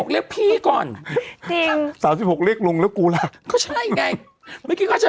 ๓๖เรียกพี่ก่อนจริง๓๖เรียกลุงแล้วกูล่ะก็ใช่ไง